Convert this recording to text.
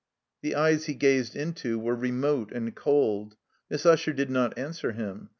The eyes he gazed into were remote and cold. Miss Usher did not answer him.